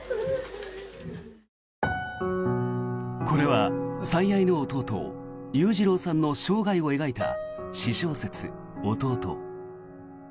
これは最愛の弟裕次郎さんの生涯を描いた私小説、「弟」。